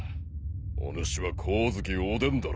おぬしは光月おでんだろ。